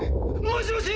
もしもし！